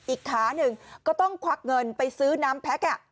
อีกขาหนึ่งก็ต้องควักเงินไปซื้อน้ำแพ็ค